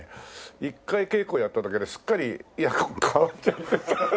一回稽古やっただけですっかり役が変わっちゃって。